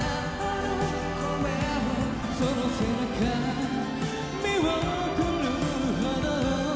「その背中見送るほど」